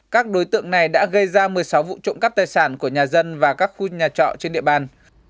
các đối tượng này đã gây ra một mươi sáu vụ trộm cắp tài sản của nhà dân và các khu nhà trọ trên địa bàn